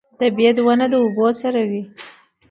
د بید ونه د اوبو سره وي